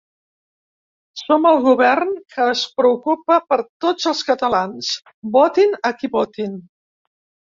Som el govern que es preocupa per tots els catalans, votin a qui votin.